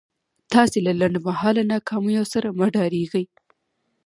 تاسې له لنډ مهاله ناکاميو سره مه ډارېږئ.